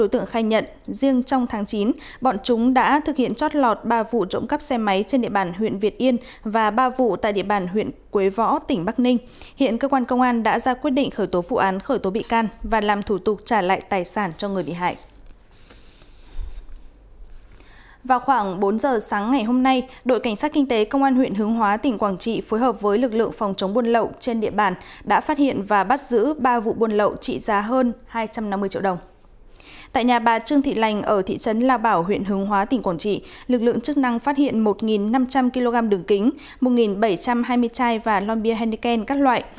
tại nhà bà trương thị lành ở thị trấn lào bảo huyện hương hóa tỉnh quảng trị lực lượng chức năng phát hiện một năm trăm linh kg đường kính một bảy trăm hai mươi chai và lon bia henneken các loại